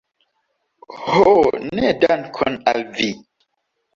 Ho ne dankon al vi!